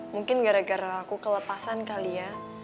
mungkin gara gara aku kelepasan kali ya